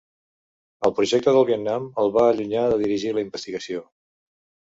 El projecte del Vietnam el va allunyar de dirigir la investigació.